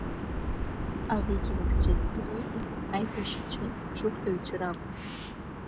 Авикингцәа зегьы иреиӷьыз аибашьҩцәеи, аҽықәтәаҩцәеи ракәын.